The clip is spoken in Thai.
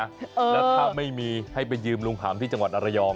แล้วถ้าไม่มีให้ไปยืมลุงขามที่จังหวัดอรยอง